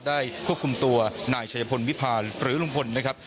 ควบคุมตัวนายชัยพลวิพาลหรือลุงพลนะครับ